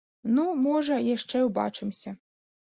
Ну, можа, яшчэ ўбачымся.